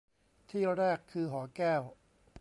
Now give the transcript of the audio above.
ที่แรกคือหอแก้ว